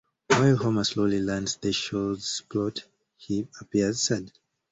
While Homer slowly learns the show's plot, he appears sad.